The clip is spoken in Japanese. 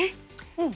うん。